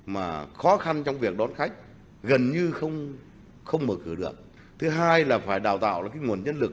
mà khó khăn trong việc đón khách gần như không mở cửa được thứ hai là phải đào tạo nguồn nhân lực